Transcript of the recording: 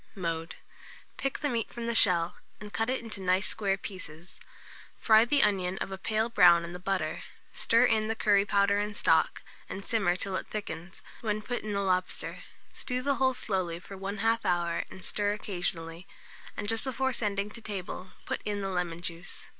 Mode. Pick the meat from the shell, and cut it into nice square pieces; fry the onions of a pale brown in the butter, stir in the curry powder and stock, and simmer till it thickens, when put in the lobster; stew the whole slowly for 1/2 hour, and stir occasionally; and just before sending to table, put in the lemon juice.